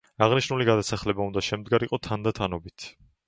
აღნშნული გადასახლება უნდა შემდგარიყო თანდათანობით.